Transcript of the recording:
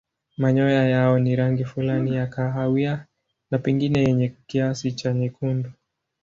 Manyoya yao ni rangi fulani ya kahawia na pengine yenye kiasi cha nyekundu.